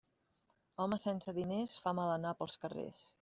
Home sense diners fa mal anar pels carrers.